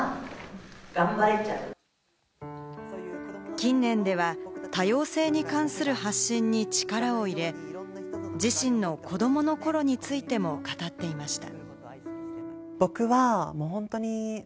近年では多様性に関する発信に力を入れ、自身の子どもの頃についても語っていました。